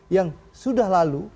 yang sudah lalu